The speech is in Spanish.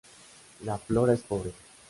La flora es pobre.